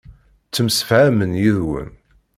Ttemsefhamen yid-wen.